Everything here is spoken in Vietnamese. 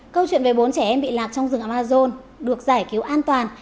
câu chuyện về bốn trẻ em bị lạc trong rừng amazon được giải cứu an toàn